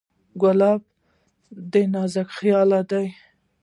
ګلاب د ناز نخښه ده.